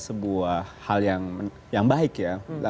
sebuah hal yang baik ya